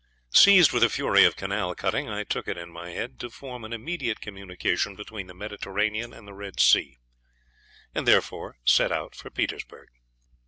"_ Seized with a fury of canal cutting, I took it in my head to form an immediate communication between the Mediterranean and the Red Sea, and therefore set out for Petersburgh.